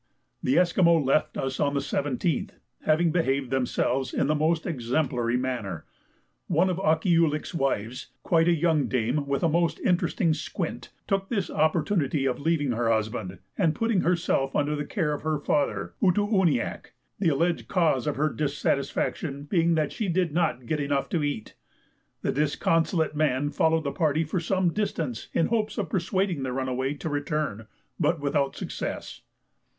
The Esquimaux left us on the 17th, having behaved themselves in the most exemplary manner. One of Akkeeoulik's wives (quite a young dame with a most interesting squint) took this opportunity of leaving her husband and putting herself under the care of her father Outoo ouniak, the alleged cause of her dissatisfaction being that she did not get enough to eat. The disconsolate man followed the party for some distance in hopes of persuading the runaway to return, but without success.